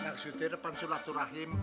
naksudir depan sulaturahim